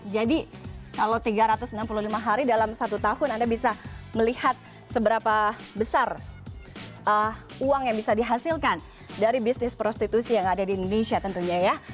jadi kalau tiga ratus enam puluh lima hari dalam satu tahun anda bisa melihat seberapa besar uang yang bisa dihasilkan dari bisnis prostitusi yang ada di indonesia tentunya ya